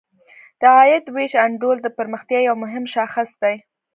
د عاید ویش انډول د پرمختیا یو مهم شاخص دی.